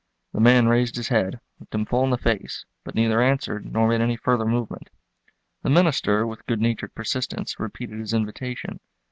The man raised his head, looked him full in the face, but neither answered nor made any further movement. The minister, with good natured persistence, repeated his invitation.